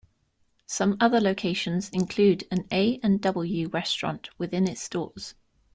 Some other locations include an A and W restaurant within its stores.